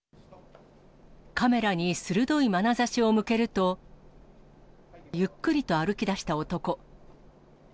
カメラに鋭いまなざしを向けると、ゆっくりと歩きだした男。